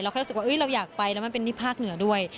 แค่รู้สึกว่าเราอยากไปแล้วมันเป็นที่ภาคเหนือด้วย